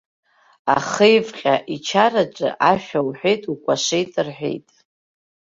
Ахеивҟьа ичараҿы ашәа уҳәеит, укәашеит рҳәеит.